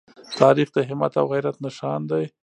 تاریخ د همت او غیرت نښان دی.